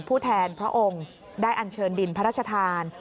ผู้แทนพระองค์ได้อันเชิญดินพระราชทาน